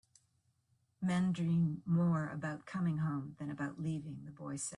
"Men dream more about coming home than about leaving," the boy said.